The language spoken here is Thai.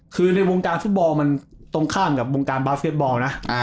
คือในวงการฟุตบอลมันตรงข้ามกับวงการบาสเก็ตบอลนะ